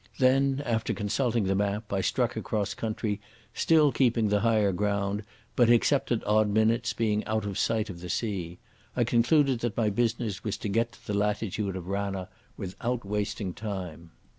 Then, after consulting the map, I struck across country, still keeping the higher ground, but, except at odd minutes, being out of sight of the sea. I concluded that my business was to get to the latitude of Ranna without wasting time.